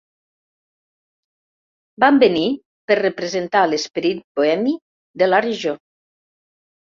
Van venir per representar l'esperit bohemi de la regió.